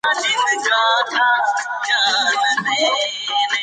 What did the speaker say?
ذکر د بنده او خالق ترمنځ رابطه ده.